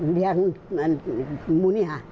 เรียงเมื่อนี้ค่ะ